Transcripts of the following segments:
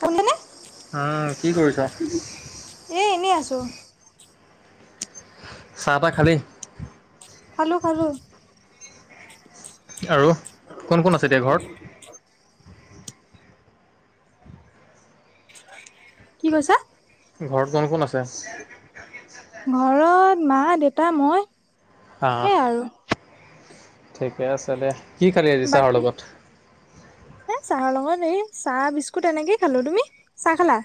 শুনিছানে? অহ কি কৰিছা। এই এনেই আছোঁ। চাহ তাহ খালি। খালোঁ খালোঁ। আৰু কোন, কোন আছে এতিয়া ঘৰত। কি কৈছা? ঘৰত কোন, কোন আছে। ঘৰত মা দেউতা মই। সেয়াই অ'। আৰু। ঠিকে আছে দে, কি খালি আজি চাহৰ বাকী লগত। এ চাহৰ লগৰ এই চাহ বিস্কুট এনেকেই খালোঁ তুমি চাহ খালা।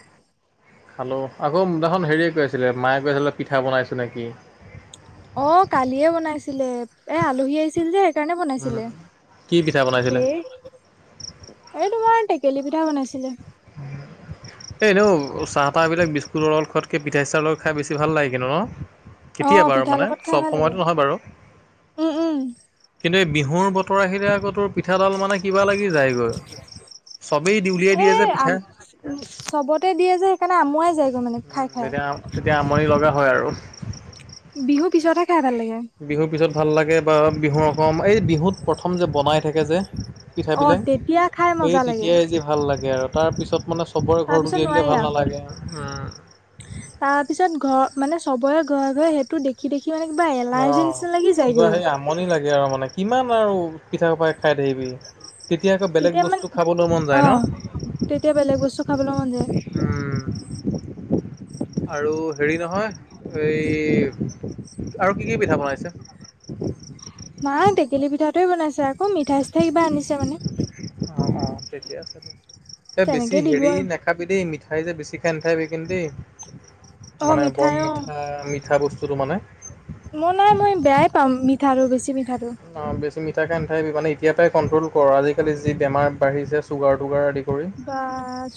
খালোঁ' আকৌ হেৰিয়ে কৈ আছিলে মায়ে কৈছিলে পিঠা বনাইছোঁ নেকি। অ', কালিয়ে বনাইছিলে এ আলহী আহিছিল যে। কাৰণে উম, বনাইছিলে কি পিঠা বনাইছিলে? শেষ। এই তোমাৰ টেকেলি পিঠা বনাইছিলে। এইনেও চাহ তাহবিলাক বিস্কুটৰ লগত খোৱাতকৈ পিঠা চিঠা লগত খাই বেছি ভাল লাগে ন। কেতিয়া অ' বাৰু পিঠাৰ মানে লগত খাই চব ভাল লাগে। সময়তো নহয় বাৰু। উম উম। কিন্তু এই বিহুৰ বতৰ আহিলে আকৌ তোৰ পিঠাডাল মানে কিবা লাগি যায়। চবেই দি উলিয়াই এ দিয়ে যে আম পিঠা। চবতে দিয়ে যে সেইকাৰণে আমুৱাই যায়গৈ মানে উ, খাই খাই। তেতিয়া তেতিয়া আমনি লগা হয় আৰু। বিহু পিছতহে খাই ভাল লাগে। বিহু পিছত ভাল লাগে বা বিহু অক এই বিহুত প্ৰথম যে বনাই থাকে যে। অ' পিঠাবিলে তেতিয়া খাই সেই মজা লাগে। তেতিয়াই যে ভাল লাগে আৰু তাৰ পিছত মানে চবৰে ঘৰত তাৰপিছত উলিয়াই দিলে নোৱাৰি ভাল আৰু। নালাগে উ। তাৰ পিছত ঘ মানে চবৰে ঘৰে, ঘৰে হেইটো দেখি দেখি মানে কিবা অ এলাৰ্জি নিচিনা লাগি কিবা যায়গৈ। সেই আমনি লাগে আৰু মানে কিমান আউ পিঠাখুপাই খাই থাকিবি। তেতিয়া আকৌ বেলেগ বস্তু খাবলৈ মন যায় ন। অ', তেতিয়া বেলেগ বস্তু খাবলৈ মন যায়। উম আৰু হেৰি নহয় এই আৰু কি, কি পিঠা বনাইছে। মা টেকেলি পিঠাটোয়ে বনাইছে আকৌ মিঠাই চিঠাই কিবা আনিছে মানে। অ', অ', থিকেই আছে দে এ বেছি তেনেকে দিলো হেৰি আৰু নেখ নেখাবি দেই মিঠাই যে বেছি খাই নেথাকিবি কিন্তু দেই। অ', মানে মিঠাই বৰ অ', মিঠা, মিঠা বস্তুটো মানে মই নাই মই বেয়াই পাম মিঠা আৰু বেছি মিঠা টো। অ, বেছি মিঠা খাই নাথাকিবি মানে এতিয়াপাই কণ্ট্ৰল কৰ, আজিকালি যি বেমাৰ বাঢ়িছে চুগাৰ টুগাৰ আদি কৰি বা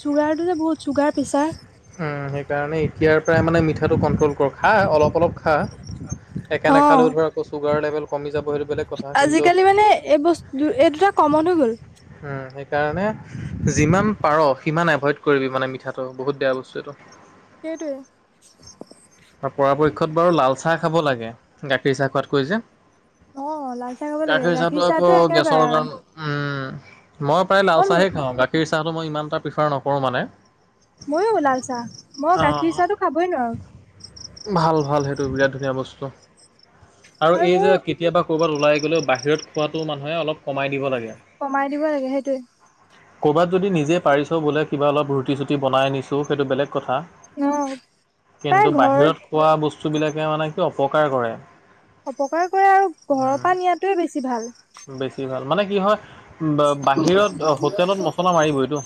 চুগাৰ টো যে বহুত চুগাৰ পেছা- - উম, সেইকাৰণে এতিয়াৰ পৰাই মানে মিঠাটো কণ্ট্ৰ'ল কৰ, খা অলপ অলপ খা। একে নেখালেও অ', ধৰ আকৌ চুগাৰ লেবেল কমি যাব। সেইটো বেলেগ কথা কিন্তু আজিকালি মানে এই বস্তু এই দুটা কমন হৈ গ'ল। উম, সেইকাৰণে যিমান পাৰ সিমান এভইড কৰিবি মানে মিঠাটো, বহুত বেয়া বস্তু এইটো। সেইটোৱে। পৰাপক্ষত বাৰু লাল চাই খাব লাগে গাখীৰ চাহ খোৱাতকৈ যে। অ', লাল চাহ খাব লাগে গাখীৰ চাহটো আকৌ একেবাৰে গেছৰ কাৰণ আৰু উম, মই প্ৰায় লাল মই চাহেই খাওঁ গাখীৰ চাহটো মই ইমান এটা প্ৰিফাৰ নকৰোঁ মানে। মইয়ো লাল চাহ, মই গাখীৰ অ', চাহটো খাবই নোৱাৰো। ভাল ভাল সেইটো বিৰাট ধুনীয়া বস্তু। আৰু এই যে কেতিয়াবা ক'ৰবাত ওলাই গ'লেও বাহিৰত খোৱাটো মানুহে অলপ কমাই দিব লাগে। কমাই দিব লাগে সেইটোয়ে। ক'ৰবাত যদি নিজে পাৰিছ বোলে কিবা অলপ ৰুটি চুটি বনাই আনিছো সেইটো বেলেগ কথা। অ', প্ৰায় কিন্তু ঘৰ বাহিৰত খোৱা বস্তু বিলাকে মানে কি অপকাৰ কৰে। অপকাৰ কৰে আৰু ঘৰৰ পৰা নিয়াতোৱে বেছি ভাল। বেছি ভাল, মানে কি হয় বাহিৰত হোটেলত মছলা মাৰিবইটো।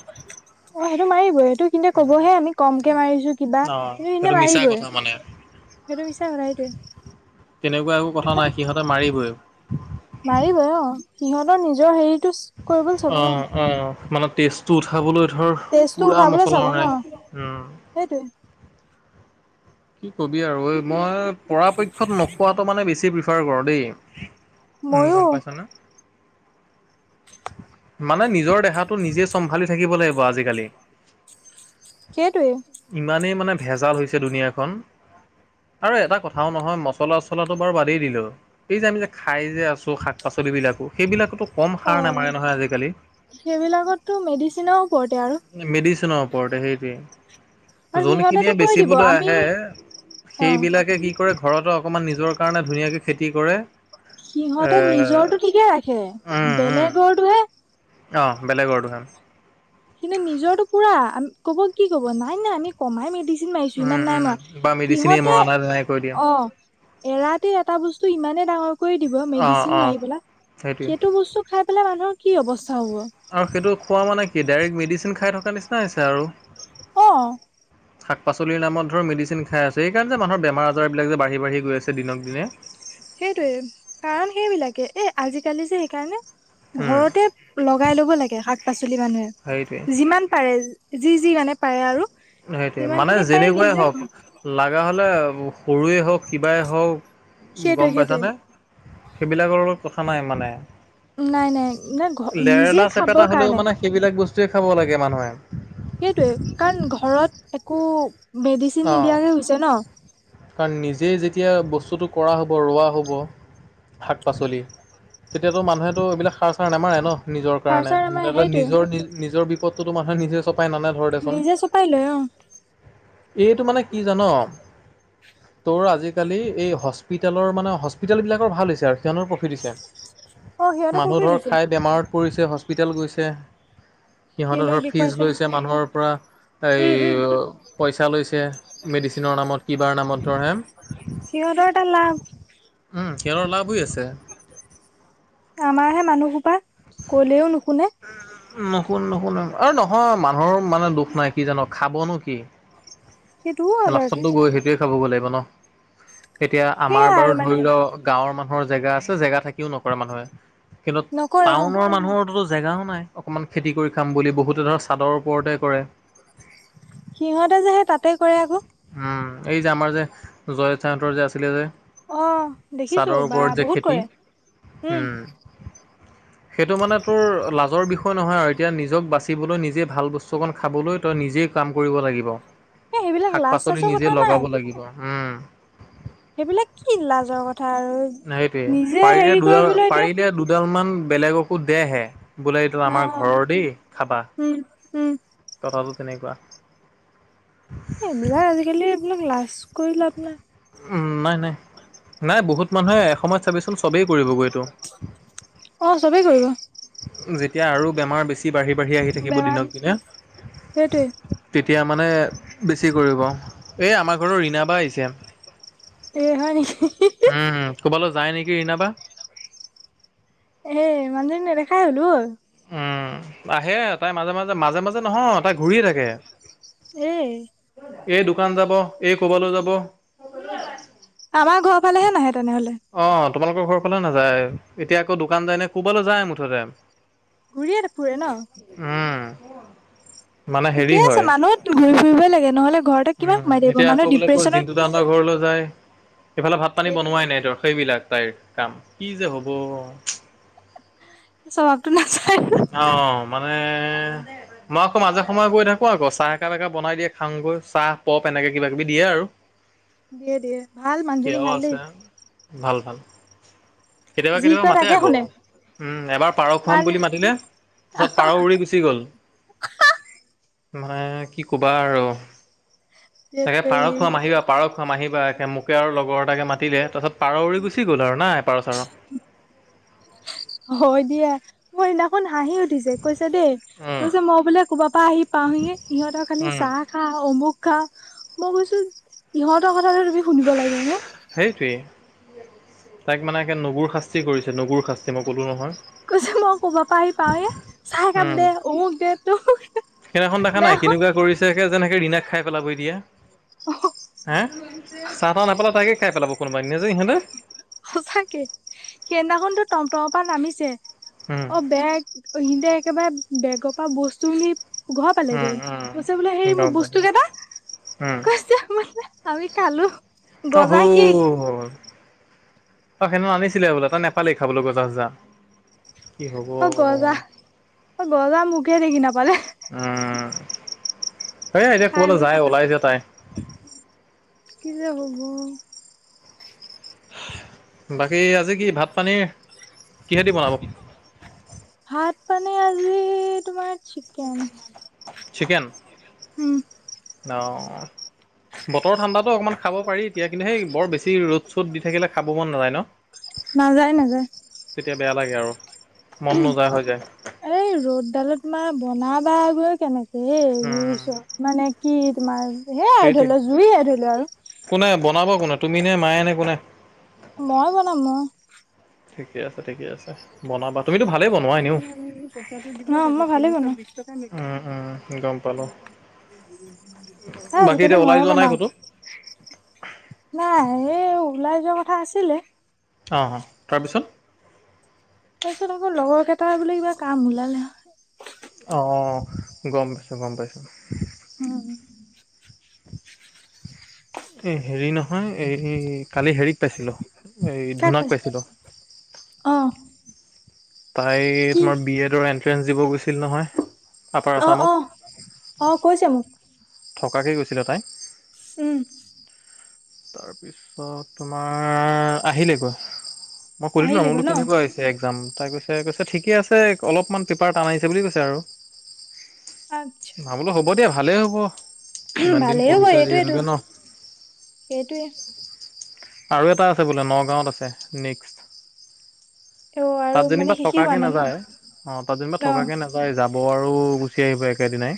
অ' হেইটো মাৰিবই সেইটো কিন্তু ক'বহে আমি ক'মকে মাৰিছো কিবা অ সেইটো কিন্তু মিছা কথা মাৰিবই। মানে হেইটো মিছা কথা, সেইটোৱেই। তেনেকুৱা একো কথা নাই সিহঁতে মাৰিবই। মাৰিবই অ', সিহঁতে নিজৰ হেৰিটোচ কৰিবলৈ চাব ন। অঁ মানে টেষ্টটো উঠাবলৈ ধৰ টেষ্টো পুৰা উঠাবলৈ মছলা চাব ন মাৰে উম। হেইটোৱে। কি কবি আৰু ঐ মই পৰাপক্ষত নোখোৱাটো মানে বেছি প্ৰিফাৰ কৰো দেই। উম, ময়ো গ'ম পাইছ ন? মানে নিজৰ দেহাটো নিজে চম্ভালি থাকিব লাগিব আজিকালি। সেইটোৱে ইমানেই মানে ভেজাল হৈছে দুুনীয়াখন। আৰু এটা কথাও নহয়, মছলা চছলাটো বাৰু বাদেই দিলো। এই যে আমি যে খাই যে আছো শাক পাচলিব বিলাকো সেইবিলাকতো ক'ম অ সাৰ নামাৰে নহয় আজিকালি। সেইবিলাকতো মেডিচিনৰ ওপৰতে আৰু মেডিচিনৰ ওপৰতে হেইটোৱে। আৰু সিহঁতেতো যোনখিনিয়ে কৈ দিব বেচিবলৈ আমি আহে, অ সেইবলাকে কি কৰে ঘৰতো অকণমান নিজৰ কাৰণে ধুনীয়াকে খেতি কৰে এ সিহঁতে নিজৰটো ঠিকে ৰাখে, উম উম বেলেগৰটোহে অ' বেলেগৰতোহে। কিন্তু নিজৰটো পুৰা ক'ব কি ক'ব নাই নাই আমি কমাই মেডিচিন মাৰিছো উম ইমান নাই মৰা, উম বা মেডিচিনে সিহঁতে মৰা নাই তেনেকে কৈ দিয়ে অ' এৰাতিৰ এটা বস্তু ইমানে ডাঙৰ কৰি দিব অ মেডিচিন অ মাৰি পেলাই, সেইটোৱে সেইটো বস্তু খাই পেলাই মানুহৰ কি অৱস্থা হ'ব। আৰু সেইটো খোৱা মানে কি ডাইৰেক্ট মেডিচিন খাই থকাৰ নিচিনা হৈছে আৰু। অ'। উ শাক পাচলিৰ নামত মেডিচিন খাই আছো, এইকাৰণে যে মানুহৰ বেমাৰ আজাৰবিলাক যে বা়ঢ়ি বাঢ়ি গৈ আছে দিনক দিনে। সেইটোয়ে, কাৰণ সেইবিলাকে। এ আজিকালি যে সেইকাৰণে উম ঘৰতে লগাই ল'ব লাগে শাক পাচলি সেইটোৱে মানুহে। যিমান পাৰে যি যি মানে পাৰে আৰু। সেইটোয়ে যিমান মানে খিনি পাৰে যেনেকুৱাই নিজে হওঁক লাগা হ'লে সৰুৱে হওঁক কিবাই হওঁক সেইটোৱে গ'ম সেইটোৱে পাইছানে? সেইবিলাকৰ লগত কথা নাই মানে। নাই-নাই, নাই। ঘ নিজে লেৰেলা চেপেটা খাবৰ হ'লেও কাৰণে। মানে সেইবিলাক বস্তুৱে খাব লাগে মানুহে। সেইটোৱে কাৰণ ঘৰত একো মেডিচিন অঁ নিদিয়াকে হৈছে ন'। কাৰণ নিজেই যেতিয়া বস্তুটো কৰা হ'ব, ৰোৱা হ'ব। শাক-পাচলি তেতিয়াতো মানুহেতো এইবিলাক সাৰ-চাৰ নামাৰে ন'। নিজৰ সাৰ কাৰণে, চাৰ আমাৰ সেইটোৱে নিজৰ-নি-নিজৰ বিপদটোতো মানুহে নিজে চপাই নানে ধৰ। দেচোন নিজে ছপাই লৈ অহ। এইটো মানে কি জান? তোৰ আজিকালি এই হস্পিটেলৰ মানে, হস্পিটেলবিলাকৰ ভাল হৈছে আ [unintelligible] প্ৰফিট দিছে। অ সিহঁতৰ মানুহ পুখুৰী ধৰ দিছে খায় বেমাৰত পৰিছে হস্পিতাল গৈছে। সিহঁতে সিহঁতক ধৰ ফিজ দেখুৱাইছে লৈছে মানুহৰ পৰা উম উম এই পইচা লৈছে মেডিচিনৰ‌ নামত কিবাৰ নামত ধৰ হেন। সিহঁতৰ এটা লাভ উম, সিহঁতৰ লাভ হৈ আছে। আমাৰ হে মানুহসোপা কলেও নুশুনে। নুশুন-নুশুন আৰু নহয় মানুহৰ মানে দুখ নাই, কি জান খাবনো কি? সেইটোও হয় বাৰুতে লাষ্টতটো গৈ সেইটোৱে খাব গৈ লাগিব ন'। এতিয়া আমাৰ সেয়াই বাৰু আৰু মানে ধৰি লওঁ গাঁৱৰ মানুহৰ জেগা আছে জেগা থাকিও নকৰে মানুহে কিন্তু নকৰে অ টাউনৰ মানুহৰো জেগাও নাই অকণমান খেতি কৰি খাম বুলি, বহুতে ধৰ চাদৰ ওপৰতে কৰে। সিহঁতে যেহে তাতে কৰে আকৌ। উম, এই যে আমাৰ যে জয় সাহঁতৰ যে আছিলে যে। অ দেখিছো চাদৰ বা ওপৰত যে বহুত খেতি কৰে উম'। সেইটো মানে তোৰ লাজৰ বিষয় নহয় আৰু এতিয়া নিজক বাচি বাচিবলৈ, নিজে ভাল বস্তু অকণ খাবলৈ, তই নিজেই কাম কৰিব লাগিব। এ সেইবিলাক লাজ শাক-পাচলি চাজৰ কথা নিজে নাই লগাব লাগিব উম। সেইবিলাক কি লাজৰ কথা আৰু সেইটোৱে নিজে পাৰিলে হেৰি দুডাল কৰিবলৈ এতিয়া পাৰিলে দুডালমান বেলেগকো দে হে। বোলো এইটো আমাৰ অ', ঘৰৰ দেই খাবা। উম, উম, কথাটো তেনেকুৱা। এইবিলাক আজিকালি এইবিলাক লাজ কৰি লাভ নাই। উম, নাই-নাই, নাই বহুত মানুহে এসময়ত চাবিচোন চবেই কৰিবগৈ এইটো। অহ, চবেই কৰিব। যেতিয়া আৰু বেমাৰ বেছি বাঢ়ি-বাঢ়ি আহি থাকিব বেমাৰ দিনক দিনে। সেইটোৱে। তেতিয়া মানে বেছি কৰিব। এই আমাৰ ঘৰৰ ৰিণা বা আহিছে। এ হয় নেকি। ক'ৰবালৈ যায় নেকি ৰিণা বা। এ মানুহজনী নেদেখাই হ'লো আৰু। উম, আহে তাই মাজে-মাজে, মাজে-মাজে নহয় তাই ঘূৰিয়ে থাকে। এ এই দোকান যাব, এই ক'বালৈ যাব। আমাৰ ঘৰ ফালেহে নাহে তেনেহ'লে। অহ, তোমালোকৰ ঘৰ ফালে নাযায়। এতিয়া আকৌ দোকান যায় নে, ক'বালৈ যায় মুঠতে। ঘূৰিয়ে ফুৰে ন'। উম। মানে ঠিকে হেৰি আছে হয় মানুহ ঘূৰি ফুৰিবই লাগে, নহ'লে ঘৰত উম, এতিয়া আকৌ বোলে কওঁ জিন্টু দা হাঁতৰ ঘৰলৈ যায়। এইফালে ভাত পানী সেইটোৱে বনোৱাই নাই সেইটোৱে তাৰ সেইবিলাক তাইৰ কাম, কি যে হ'ব। স্বভাৱতো নাচায়। অ', মানে মই আকৌ মাজে সময় গৈ থাকো, আকৌ চাহ একাপ একাপ বনাই দিয়ে খাওঁগৈ, চাহ প'প এনেকে কিবা কিবি দিয়ে আৰু। দিয়ে দিয়ে ভাল মানুহজনী সেয়াও ভাল আছে, দেই। ভাল ভাল। কেতিয়াবা যি কেতিয়াবা কয় মাতে তাকে আকৌ শুনে উম, এবাৰ পাৰ খুৱাম মান বুলি মাতিলে তাৰছত পাৰ উৰি গুচি গ'ল মানে কি কবা আৰু। ধেত একে পাৰ খুৱাম তেৰি আহিবা। পাৰ খোৱাাম আহিবা একে মোকে আৰু লগৰ এটাকে মাতিলে, তাৰপাছত পাৰ উৰি গুচি গ'ল আৰু নাই পাৰ চাৰ। হয়, দিয়া মই সেইদিনা খন হাঁহি উঠিছে, কৈছে দেই উম কৈছে মই বোলে ক'ৰবাৰ পৰা আহি পাওঁহিে ইহঁতৰ খালি উম চাহ খা অমুক খা, মই কৈছো ইহঁতৰ কথাটোটো তুমি শুনিব লাগে নে। সেইটোৱেই তাইক মানে একে নুগুৰ শাস্তি কৰিছে নুগুৰ শাস্তি, মই ক'লোঁ নহয়। কৈছে মই ক'ৰবৰ পৰা আহি পাওহে, চাহ একাপ উম দে অমুক দে তমুক দে। সেইদিনাখন দেখা নাই কেনেকুৱা কৰিছে একে যেন ৰিনাক খাই পেলাব এতিয়া হা? চাহ তাহ নাপাল তাইকে খাই পেলাব কোনোবা দিনা যে ইহঁতে। সঁচাকে সেইদিনাখনতো টম-টমৰ পৰা নামিছে। উম। অ', বেগ ইহঁতে একেবাৰে বেগৰ পৰা বস্তু নি ঘৰ উম পালেগৈ উম কৈছে বোলে হেৰি গম মোৰ বস্তু পাইছোঁ উম কেইটা। আমি খালোঁ। অ', হ'ল অ', সেইদিনাখন আনিছিলে বোলে তাই নেপালেই খাবলৈ গজা-চজা। অ', গজা অ', গজা মোখেই দেখি নাপালে। উম, এইয়া এতিয়া খাই ক'বালে বৈ যায়, খতম ওলাই চে তাই। কি যে হ'ব। বাকী আজি কি ভাত পানীৰ কিহেদি বনাব? ভাত মানে আজি তোমাৰ চিকেন। চিকেন উম অ'। বতৰ ঠাণ্ডাটো অকণমান খাব পাৰি এতিয়া, কিন্তুে এই বৰ বেছি ৰ'দ-চ'দ দি থাকিলে খাব মন নাযায় ন'? [inaudible] নাযায় নাযায়। তেতিয়া বেয়া লাগে আৰু মন নোযায় হৈ যায়। এই ৰ'দডালত তোমাৰ বনাবাগৈয়ে কেনেকে হেই জুই উম ওচৰত। মানে কি তোমাৰ সেয়াই আৰু সেইটোৱে ধৰি লোৱা জুইে ধৰি লোৱা আৰু। কোনে বনাবা কোনে তুমি নে মায়ে নে কোনে? মই বনাম মই। ঠিকে আছে, ঠিকে আছে, বনাবা। তুমিতো ভালেই বনোৱা এনেও অ', মই ভালে বনাও। উম উম গম পালো এই বাকী আজিকালি এতিয়া ওলাই ময়ে যোৱা নাই বনাও। ক'তো নাই এই ওলাই যোৱা কথা আছিলে। অঁ', অ', তাৰপিছত? তাৰপিছত আকৌ লগৰ কেইটাৰ বোলে কিবা কাম ওলালে। অঁ', অ', গ'ম পাইছোঁ, গ'ম পাইছোঁ। উম। এই হেৰি নহয়, এই কালি হেৰিক পাইছিলোঁ, এই ধূনাক পাইছিলোঁ। অঁ'। তাই তোমাৰ বি এডৰ এন্ট্ৰেঞ্চ দিব গৈছিল নহয়, আপাৰ অ আছামত। অ অ', কৈছে মোক। থকাকে গৈছিলে তাই। উম। তাৰপিছত তোমাৰ আহিলেগৈ, মই সোধিলোঁ আৰু মই আহিলেগৈ বোলো ন কেনেকুৱা হৈছে একজাম তাই কৈছে কৈছে ঠিকে আছে, অলপমান পেপাৰ টান আহিছে বুলি কৈছে আৰু। আচ্ছা। না বোলো হ'ব দিয়া ভালেই হ'ব। ইমান দিন ভালেই পঢ়িচা যিহেতুকে ন। সেইটোৱে। [inaudible] আৰু এটা আছে বোলে নগাঁৱত আছে নেক্সট। অ তাত আৰু মানে যেনিবা শেষে হোৱা থকাকে নাই ন নাযায়। অ', তাত যেনিবা অ থকাকে নাযায়। যাব আৰু গুচি আহিব একেদিনাই।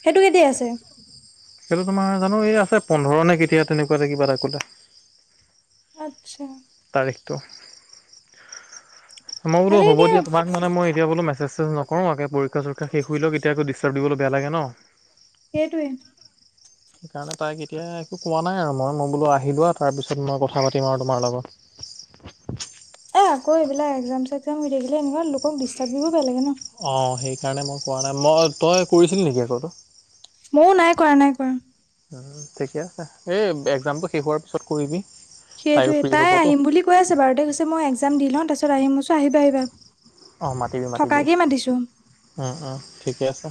সেইটো কেতিয়া আছে? সেইটো তোমাৰ জানো এই আছে পোন্ধৰ নে কেতিয়া তেনেকুৱাতে কিবা এটা ক'লে। আচ্চা। তাৰিখটো। মই বোলো হ'ব দিয়া। তোমাক মানে মই এতিয়া বোলো মেছেজ-চেছেজ নকৰোঁ। একে পৰীক্ষা-চৰীক্ষা শেষ হুই লওক। এতিয়া আকৌ দিছ ষ্টাৰ্ব দিবলে বেয়া লাগে ন। সেইটোৱে। [inaudible] সেইকাৰণে তাইক এতিয়া একো কোৱা নাই আৰু। মই মই বোলো আহি লোৱা। তাৰপিছত মই কথা পাতিম আৰু তোমাৰ লগত। [inaudible] অ', আকৌ এইবিলাক এক্সাম-চেক্সাম হৈ থাকিলে এনেকোৱা লোকক ডিষ্টাৰ্ব দিবও বেয়া লাগে ন। অ', সেইকাৰণে মই কোৱা নাই। মই তই কৰিছিলি নেকি আকৌ এইটো? ময়ো নাই কৰা নাই কৰা। ঠিকে আছে। এই এক্সামটো শেষ হোৱাৰ পিছত কৰিবি। তাইও সেইটোৱে। ফ্ৰী তাই হ'বতো আহিম বুলি কৈ আছে বাৰু দে। কৈছে মই এক্সাম দি লওঁ, তাৰ পিছত আহিম। মই কৈছো আহিবা আহিবা। অহ, মাতিবি মাতিবি। থকাকেই মাতিছো উম, উম, ঠিকে আছে।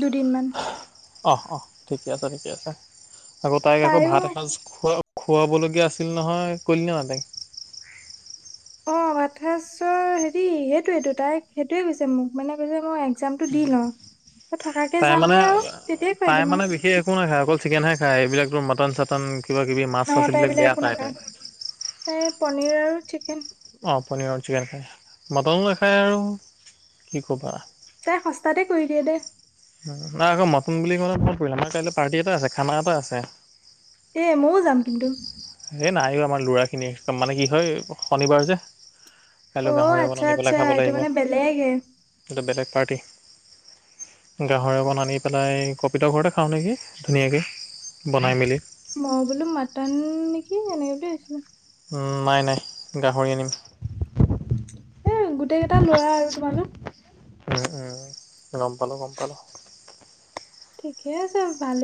দুদিনমান। অ', অ', ঠিকে আছে ঠিকে আছে। আকৌ তাইক আকৌ ভাত তাইও এসাঁজ খোৱা খুৱাবলগীয়া আছিল নহয় ক'লি নে বাৰু তাইক? অ', ভাতসাঁজৰ হেৰি সেইটোইটো তাই সেইটোৱে কৈছে মোক মানে কৈছে মই এ এক্সামটো দি লওঁ। ত'থকাকে তাই মানে যামেই আৰু। তেতিয়াই খুৱাই তাই দিম মানে আৰু। বিশেষ একো নাখায়। অকল চিকেনহে খায়। এইবিলাকতো মটন-চটন, কিবা-কিবি মাছ-চাছ এইবিলাক বেয়া পায় তাই। এই পনীৰ আৰু চিকেন অ', পনীৰ আৰু চিকেন খায়। মটনো নাখায় আৰু কি ক'বা। তাই সস্তাতে কৰি দিয়ে দে। নাই আকৌ মটন বুলি কওঁতে মনত পৰিছে আমাৰ কাইলৈ পাৰ্টি এটা আছে খানা এটা আছে। এ ময়ো যাম কিন্তু। হে নাহিবা। আমাৰ ল'ৰাখিনিৰ মানে কি হয় শনিবাৰ যে। কাইলৈ অ গাহৰি অকন আচ্ছা আনি আচ্ছা পেলাই খাব এইটো লাগিব। মানে বেলেগে এইটো বেলেগ পাৰ্টি। গাহৰি অকণ আনি পেলাই কপিতৰ ঘৰতে খাওঁ নেকি ধুনীয়াকে বনাই মেলি। মই বোলো মাটান নেকি এনেকে বুলি ভাবিছিলোঁ। উম, নাই নাই। গাহৰি আনিম। হে গোটেইকেইটা ল'ৰা আৰু তোমালোক। উম, উম, গ'ম পালো গ'ম পালো। ঠিকে আছে ভালে।